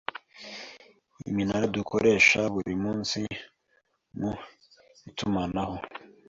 iminara dukoresha buri munsi mu itumanaho